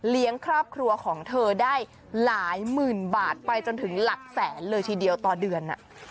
ครอบครัวของเธอได้หลายหมื่นบาทไปจนถึงหลักแสนเลยทีเดียวต่อเดือน